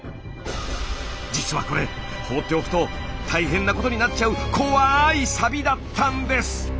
実はこれ放っておくと大変なことになっちゃう怖いサビだったんです！